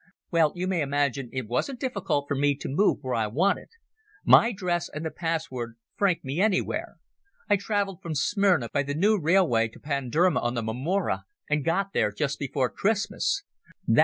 "Well, you may imagine it wasn't difficult for me to move where I wanted. My dress and the pass word franked me anywhere. I travelled from Smyrna by the new railway to Panderma on the Marmora, and got there just before Christmas.